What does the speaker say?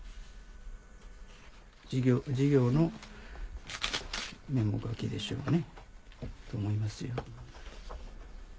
授業のメモ書きでしょうね。と思いますよ。